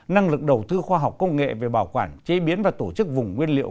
năng lực đầu tư khoa học công nghệ về bảo quản chế biến và tổ chức vùng nguyên liệu